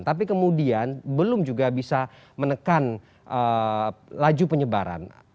tapi kemudian belum juga bisa menekan laju penyebaran